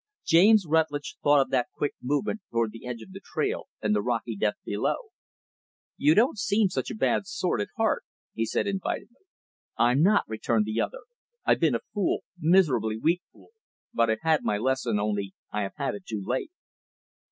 James Rutlidge thought of that quick movement toward the edge of the trail and the rocky depth below. "You don't seem such a bad sort, at heart," he said invitingly. "I'm not," returned the other, "I've been a fool miserably weak fool but I've had my lesson only I have had it too late."